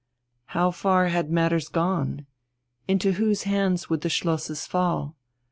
How far had matters gone? Into whose hands would the schlosses fall?